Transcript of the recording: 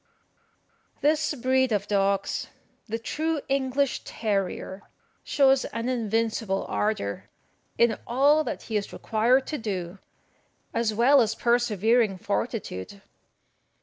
This breed of dogs, the true English terrier, shows an invincible ardour in all that he is required to do, as well as persevering fortitude.